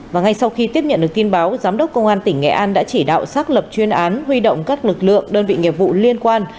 và ngay sau khi tiếp nhận được tin báo giám đốc công an tỉnh nghệ an đã chỉ đạo xác lập chuyên án huy động các lực lượng đơn vị nghiệp vụ liên quan